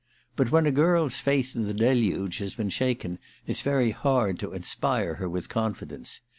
But / when a girl's faith in the Deluge has been ; shaken, it's very hard to inspire her with con fidence.